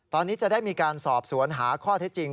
ตอนนี้จะได้มีการสอบสวนหาข้อเท็จจริง